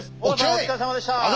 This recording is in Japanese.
お疲れさまでした！